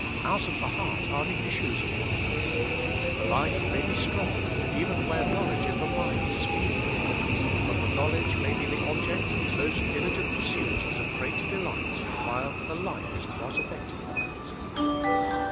Out of the heart are the issues of life. The life may be strong, even where knowledge in the mind is feeble. And the knowledge may be the object of most diligent pursuit and of great delight, while the life is not affected by it.